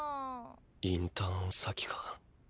インターン先か。